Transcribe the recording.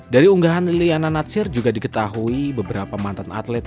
dari unggahan liliana natsir juga diketahui beberapa mantan atlet